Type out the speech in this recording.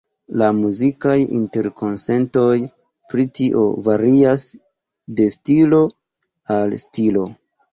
La muzikaj interkonsentoj pri tio varias de stilo al stilo.